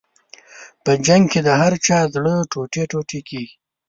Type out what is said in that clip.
په جنګ کې د هر چا زړه ټوټې ټوټې کېږي.